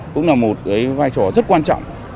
cũng là một vai trò rất quan trọng